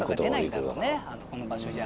あそこの場所じゃ。